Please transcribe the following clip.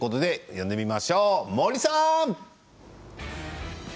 呼んでみましょう、森さん！